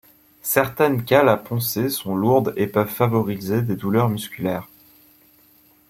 Certaines cales à poncer sont lourdes et peuvent favoriser des douleurs musculaires.